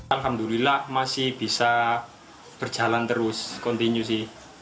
alhamdulillah masih bisa berjalan terus kontinusi